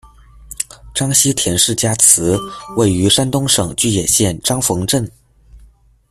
章西田氏家祠，位于山东省巨野县章缝镇。